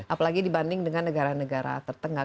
apalagi dibanding dengan negara negara tertengah